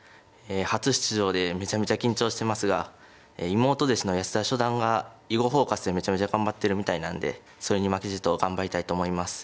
初出場でめちゃめちゃ緊張してますが妹弟子の安田初段が「囲碁フォーカス」でめちゃめちゃ頑張ってるみたいなんでそれに負けじと頑張りたいと思います。